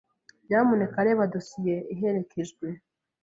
Nyamuneka reba dosiye iherekejwe.